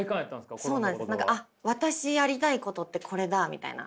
私やりたいことってこれだみたいな。